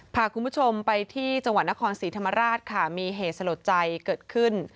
พาคุณผู้ชมไปที่จังหวัดนครศรีธรรมราชค่ะมีเหตุสลดใจเกิดขึ้น